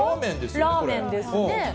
ラーメンですよね、これ。